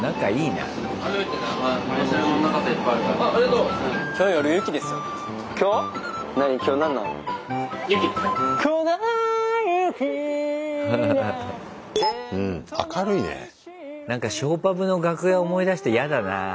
なんかショーパブの楽屋思い出してやだなあ。